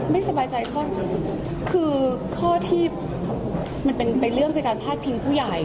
ไม่สบายใจข้อคือข้อที่เป็นเรื่องกับการพาร์ทพิงผู้ใหญ่